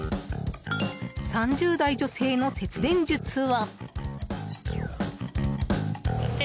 ３０代女性の節電術は。